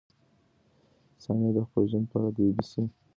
ثانیه د خپل ژوند په اړه د بي بي سي سره خبرې کړې.